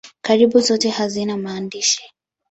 Karibu zote hazina maandishi.